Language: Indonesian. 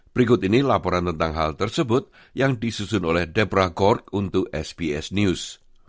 berikut ini laporan tentang hal tersebut yang disusun oleh depra gord untuk sbs news